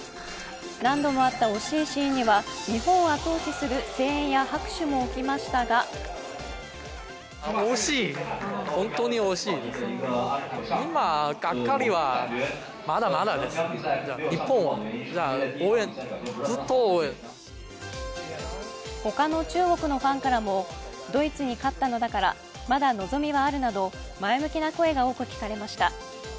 何度もあった惜しいシーンには日本を後押しする声援や拍手も起きましたが他の中国のファンからもドイツに勝ったのだからまだ望みはあるなど、前向きな声が多く聞かれました。